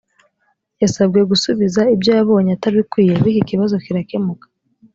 yasabwe gusubiza ibyo yabonye atabikwiye bityo ikibazo kirakemuka